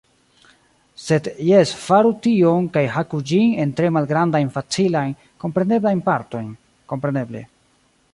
Sed jes faru tion kaj haku ĝin en tre malgrandajn facilajn, kompreneblajn partojn. Kompreneble.